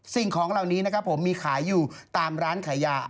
สิ่งของเหล่านี้นะครับผมมีขายอยู่ตามร้านขายยา